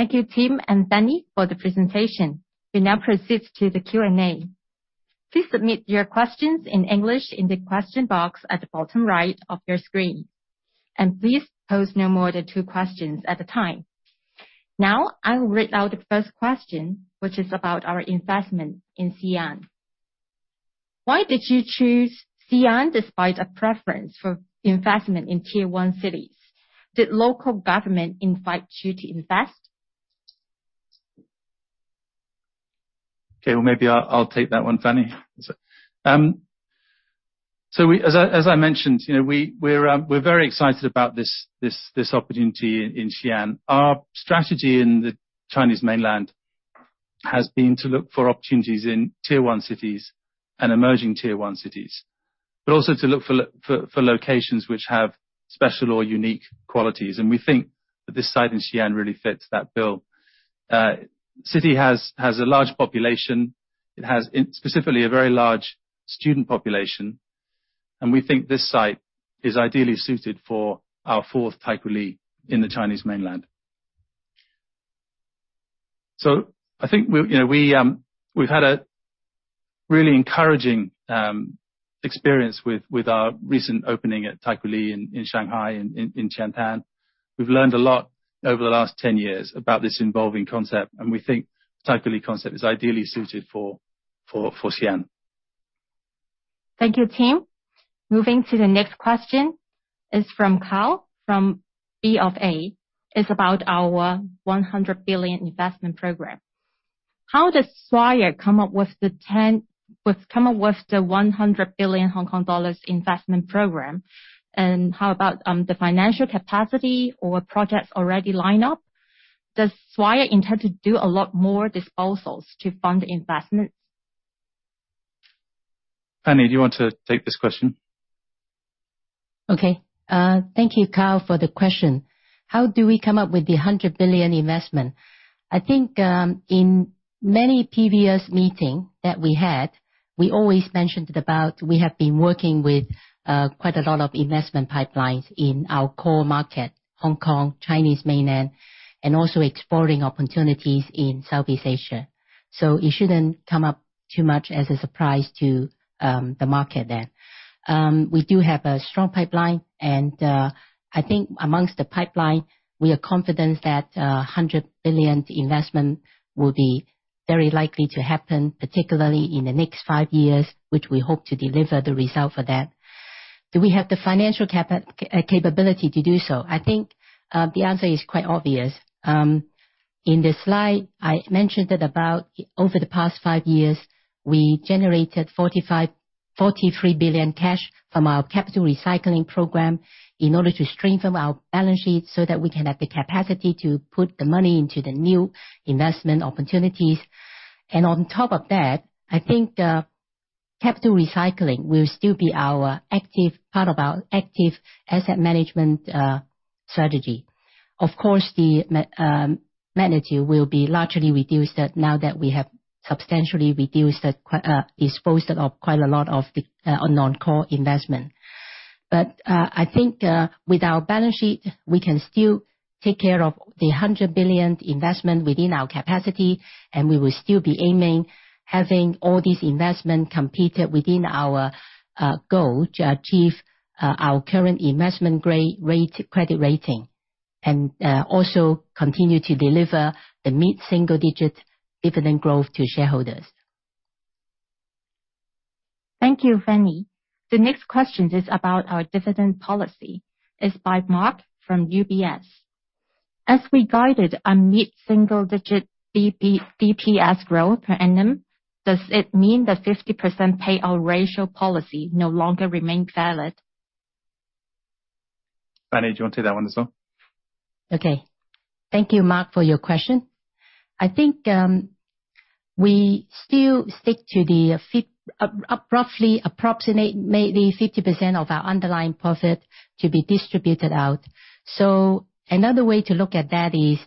Thank you, Tim and Fanny, for the presentation. We now proceed to the Q&A. Please submit your questions in English in the question box at the bottom right of your screen. Please pose no more than two questions at a time. Now, I will read out the first question, which is about our investment in Xi'an. Why did you choose Xi'an despite a preference for investment in Tier-1 cities? Did local government invite you to invest? Okay, well maybe I'll take that one, Fanny. As I mentioned, you know, we're very excited about this opportunity in Xi'an. Our strategy in the Chinese mainland has been to look for opportunities in Tier-1 cities and emerging Tier-1 cities, but also to look for locations which have special or unique qualities. We think that this site in Xi'an really fits that bill. The city has a large population. It has, specifically, a very large student population, and we think this site is ideally suited for our fourth Taikoo Li in the Chinese mainland. I think, you know, we've had a really encouraging experience with our recent opening at Taikoo Li in Shanghai and in Chengdu. We've learned a lot over the last 10 years about this evolving concept, and we think Taikoo Li concept is ideally suited for Xi'an. Thank you, Tim. Moving to the next question is from Kyle from BofA. It's about our 100 billion investment program. How does Swire come up with the 100 billion Hong Kong dollars investment program, and how about the financial capacity or projects already line up? Does Swire intend to do a lot more disposals to fund the investments? Fanny, do you want to take this question? Okay. Thank you, Kyle, for the question. How do we come up with the 100 billion investment? I think, in many previous meeting that we had, we always mentioned about we have been working with, quite a lot of investment pipelines in our core market, Hong Kong, Chinese mainland, and also exploring opportunities in Southeast Asia. It shouldn't come up too much as a surprise to, the market then. We do have a strong pipeline, and, I think amongst the pipeline, we are confident that, 100 billion investment will be very likely to happen, particularly in the next five years, which we hope to deliver the result for that. Do we have the financial capability to do so? I think, the answer is quite obvious. In the slide, I mentioned that over the past five years, we generated 43 billion cash from our capital recycling program in order to strengthen our balance sheet so that we can have the capacity to put the money into the new investment opportunities. On top of that, I think capital recycling will still be our active part of our active asset management strategy. Of course, the magnitude will be largely reduced now that we have substantially disposed of quite a lot of the non-core investment. I think with our balance sheet, we can still take care of the 100 billion investment within our capacity, and we will still be aiming having all these investment completed within our goal to achieve our current investment grade credit rating. Also continue to deliver the mid-single digit dividend growth to shareholders. Thank you, Fanny. The next question is about our dividend policy. It's by Mark from UBS. As we guided a mid-single digit DPS growth per annum, does it mean the 50% payout ratio policy no longer remain valid? Fanny, do you want to take that one as well? Okay. Thank you, Mark, for your question. I think we still stick to the roughly approximately 50% of our underlying profit to be distributed out. Another way to look at that is,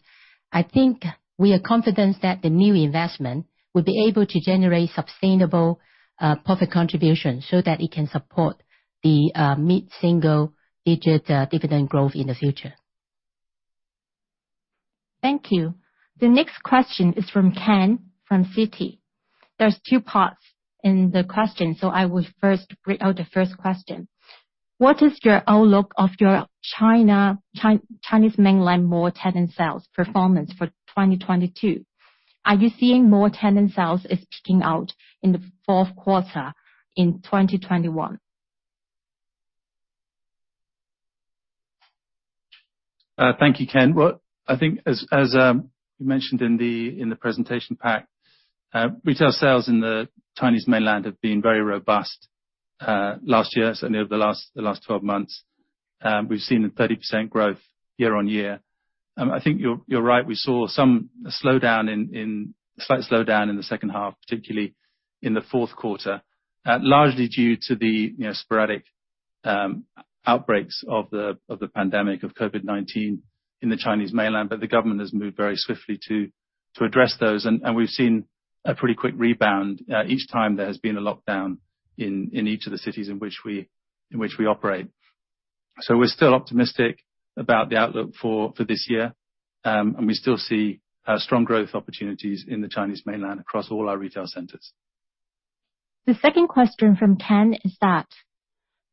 I think we are confident that the new investment will be able to generate sustainable profit contribution so that it can support the mid-single digit dividend growth in the future. Thank you. The next question is from Ken from Citi. There's two parts in the question, so I will first read out the first question. What is your outlook of your Chinese mainland mall tenant sales performance for 2022? Are you seeing mall tenant sales as peaking out in the fourth quarter in 2021? Thank you, Ken. Well, I think as you mentioned in the presentation pack, retail sales in the Chinese mainland have been very robust last year, certainly over the last twelve months. We've seen a 30% growth year-on-year. I think you're right, we saw some slight slowdown in the second half, particularly in the fourth quarter, largely due to you know, sporadic outbreaks of the pandemic of COVID-19 in the Chinese mainland, but the government has moved very swiftly to address those. And we've seen a pretty quick rebound each time there has been a lockdown in each of the cities in which we operate. We're still optimistic about the outlook for this year. We still see strong growth opportunities in the Chinese Mainland across all our retail centers. The second question from Ken is that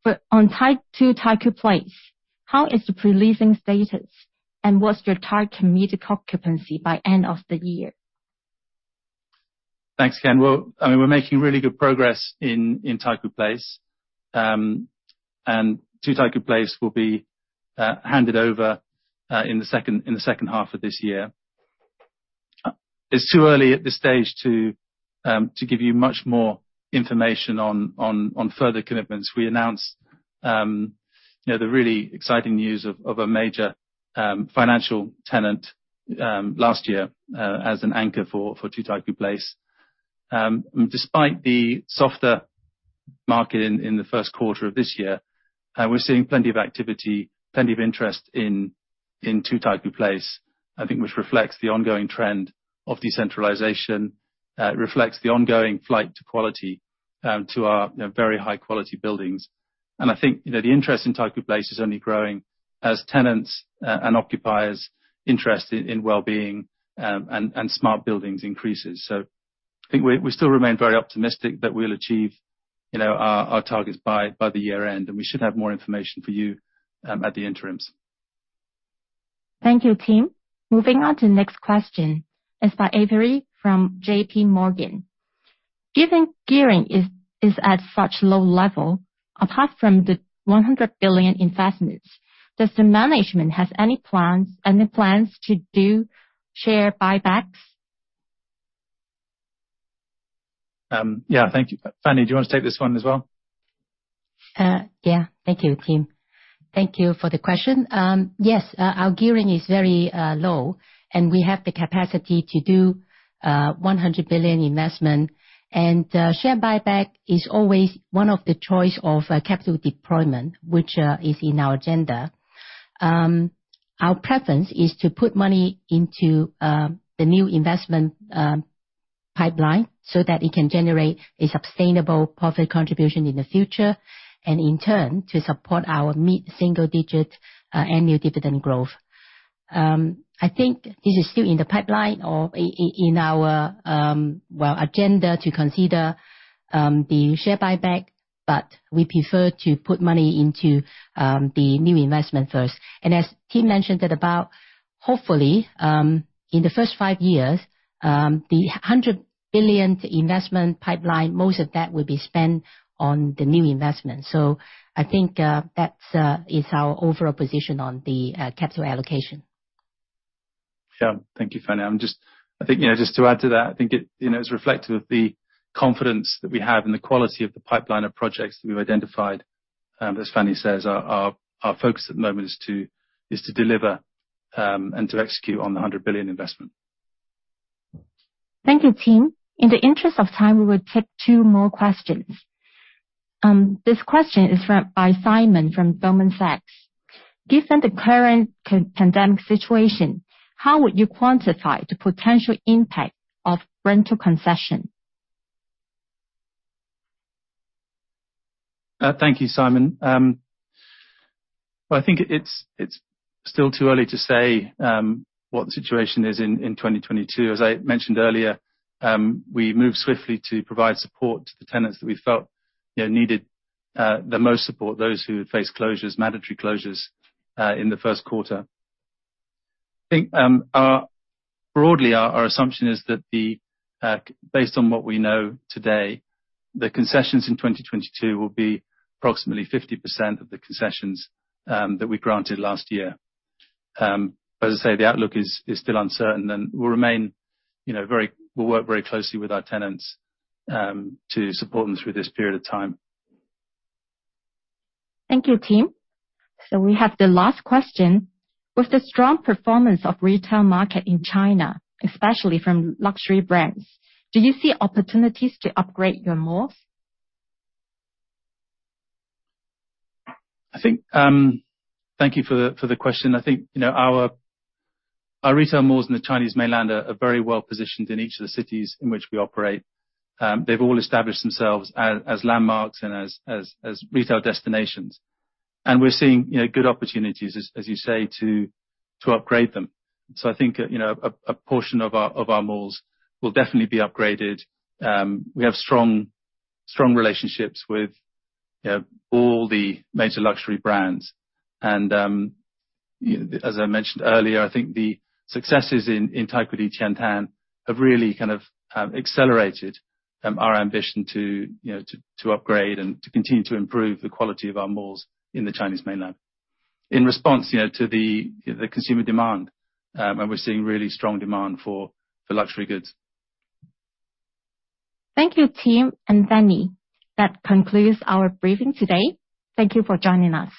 for on Two Taikoo Place, how is the pre-leasing status, and what's your target committed occupancy by end of the year? Thanks, Ken. Well, I mean, we're making really good progress in Taikoo Place. Two Taikoo Place will be handed over in the second half of this year. It's too early at this stage to give you much more information on further commitments. We announced, you know, the really exciting news of a major financial tenant last year as an anchor for Two Taikoo Place. Despite the softer market in the first quarter of this year, we're seeing plenty of activity, plenty of interest in Two Taikoo Place. I think which reflects the ongoing trend of decentralization. It reflects the ongoing flight to quality to our, you know, very high quality buildings. I think, you know, the interest in Taikoo Place is only growing as tenants and occupiers' interest in wellbeing and smart buildings increases. I think we still remain very optimistic that we'll achieve, you know, our targets by the year end, and we should have more information for you at the interims. Thank you, Tim. Moving on to next question. It's by Avery from J.P. Morgan. Given gearing is at such low level, apart from the 100 billion investments, does the management has any plans to do share buybacks? Yeah. Thank you. Fanny, do you want to take this one as well? Yeah. Thank you, Tim. Thank you for the question. Yes, our gearing is very low, and we have the capacity to do 100 billion investment. Share buyback is always one of the choice of capital deployment, which is in our agenda. Our preference is to put money into the new investment pipeline so that it can generate a sustainable profit contribution in the future and in turn to support our mid-single digit annual dividend growth. I think this is still in the pipeline or in our, well, agenda to consider the share buyback, but we prefer to put money into the new investment first. As Tim mentioned, at about, hopefully, in the first five years, the 100 billion investment pipeline, most of that will be spent on the new investment. I think that is our overall position on the capital allocation. Yeah. Thank you, Fanny. Just I think, you know, just to add to that, I think it, you know, is reflective of the confidence that we have and the quality of the pipeline of projects that we've identified. As Fanny says, our focus at the moment is to deliver and to execute on the 100 billion investment. Thank you, Tim. In the interest of time, we will take two more questions. This question is from Simon from Goldman Sachs. Given the current COVID-19 pandemic situation, how would you quantify the potential impact of rental concession? Thank you, Simon. Well, I think it's still too early to say what the situation is in 2022. As I mentioned earlier, we moved swiftly to provide support to the tenants that we felt, you know, needed the most support, those who had faced closures, mandatory closures, in the first quarter. I think, broadly, our assumption is that, based on what we know today, the concessions in 2022 will be approximately 50% of the concessions that we granted last year. As I say, the outlook is still uncertain and we'll work very closely with our tenants to support them through this period of time. Thank you, Tim. We have the last question. With the strong performance of retail market in China, especially from luxury brands, do you see opportunities to upgrade your malls? I think. Thank you for the question. I think, you know, our retail malls in the Chinese Mainland are very well positioned in each of the cities in which we operate. They've all established themselves as retail destinations. We're seeing, you know, good opportunities as you say to upgrade them. I think, you know, a portion of our malls will definitely be upgraded. We have strong relationships with, you know, all the major luxury brands. You know, as I mentioned earlier, I think the successes in Taikoo Li Qiantan have really kind of accelerated our ambition to you know, to upgrade and to continue to improve the quality of our malls in the Chinese Mainland in response you know, to the consumer demand, and we're seeing really strong demand for luxury goods. Thank you, Tim and Fanny. That concludes our briefing today. Thank you for joining us.